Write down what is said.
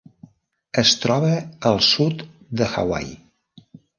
Es troba al sud de Hawaii.